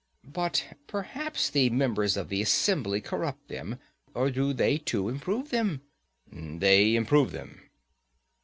But perhaps the members of the assembly corrupt them?—or do they too improve them? They improve them.